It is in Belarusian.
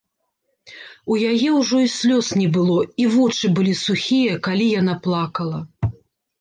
У яе ўжо і слёз не было, і вочы былі сухія, калі яна плакала.